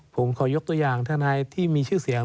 ผมขอยกตัวอย่างทนายที่มีชื่อเสียง